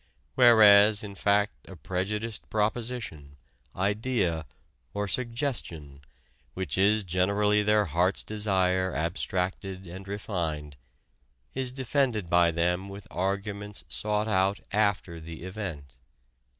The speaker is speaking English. whereas, in fact, a prejudiced proposition, idea, or 'suggestion,' which is generally their heart's desire abstracted and refined, is defended by them with arguments sought out after the event.